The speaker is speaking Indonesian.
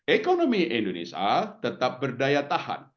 ekonomi indonesia tetap berdaya tahan